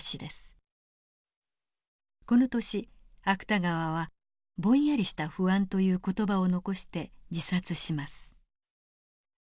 この年芥川は「ぼんやりした不安」という言葉を残して自殺します。